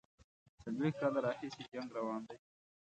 څلوېښت کاله راهیسي جنګ روان دی.